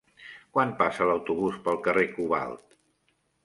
Quan passa l'autobús pel carrer Cobalt?